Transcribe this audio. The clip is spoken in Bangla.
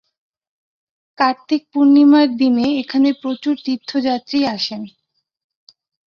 কার্তিক পূর্ণিমার দিনে এখানে প্রচুর তীর্থযাত্রী আসেন।